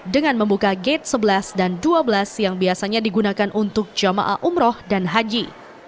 dengan membuka gate sebelas dan dua belas yang biasanya digunakan untuk jamaah umroh dan haji